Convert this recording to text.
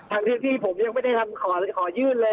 ทั้งที่ผมยังไม่ได้ทำขอยื่นเลย